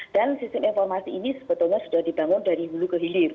dan sistem informasi ini sebetulnya sudah dibangun dari hulu ke hilir